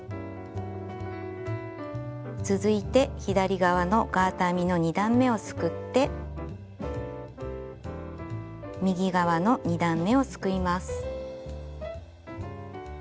続いて左側のガーター編みの２段めをすくって右側の２段めをすくいます。